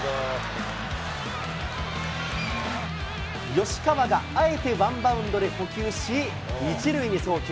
吉川があえてワンバウンドで捕球し、１塁に送球。